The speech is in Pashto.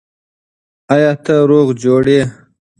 آیا ته روغ جوړ یې؟